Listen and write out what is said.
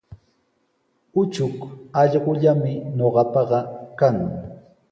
Uchuk allqullami ñuqapaqa kan.